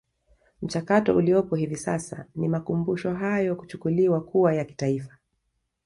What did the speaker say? Mchakato uliopo hivi sasa ni Makumbusho hayo kuchukuliwa kuwa ya Kitaifa